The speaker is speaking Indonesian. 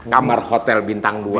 kamar hotel bintang dua